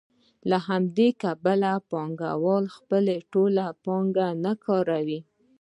له همدې کبله پانګوال خپله ټوله پانګه نه کاروي